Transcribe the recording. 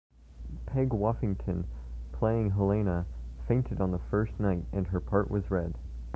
Peg Woffington, playing Helena, fainted on the first night and her part was read.